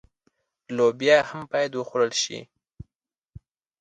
لوبیا هم باید وخوړل شي.